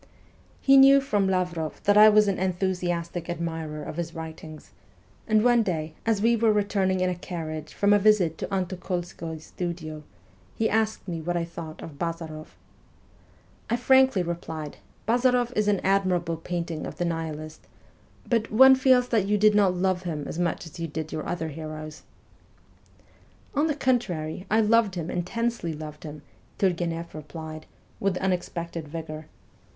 He knew from Lavroff that I was an enthusiastic admirer of his writings ; and one day, as we were returning in a carriage from a visit to Antokolsky's studio, he asked me what I thought of Bazaroff. I frankly replied, ' Bazaroff is an admirable painting of the Nihilist, but one feels that you did not love him as much as you did your other heroes.' ' On the contrary, I loved him, intensely loved him,' T\irgueneff replied, with unexpected vigour.